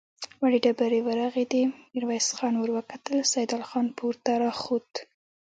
وړې ډبرې ورغړېدې، ميرويس خان ور وکتل، سيدال خان پورته را خوت.